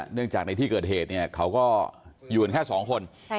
เนื่องจากในที่เกิดเหตุเนี่ยเขาก็อยู่กันแค่สองคน